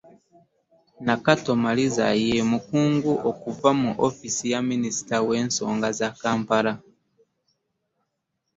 Nakato Maliza ye mukungu okuva mu ofiisi ya Minisita W’ensonga za Kampala